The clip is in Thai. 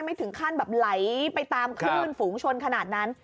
ไม่ถึงขั้นแบบไหลไปตามคลื่นฝูงชนขนาดนั้น